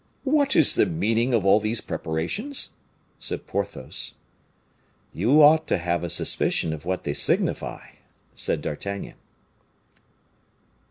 "What is the meaning of all these preparations?" said Porthos. "You ought to have a suspicion of what they signify," said D'Artagnan.